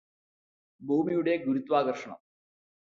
ഭൂമിയുടെ ഗുരുത്വാകര്ഷണം